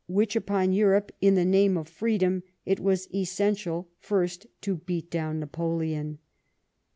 which upon Europe in the name of freedom it was essential first to beat down Napoleon.